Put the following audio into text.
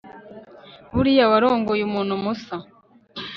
buriya warongoye umuntu musa